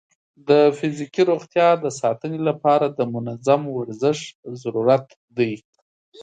د فزیکي روغتیا د ساتنې لپاره د منظم ورزش ضرورت دی.